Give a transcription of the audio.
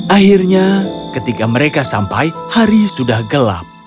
akhirnya ketika mereka sampai hari sudah gelap